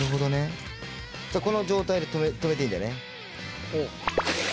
じゃあこの状態で止めていいんだよね？